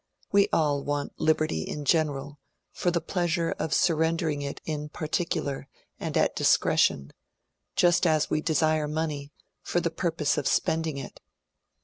We. all want liberty in general for the pleasure of surrendering it in particular and at discretion, just as we desire money for the purpose of spending it.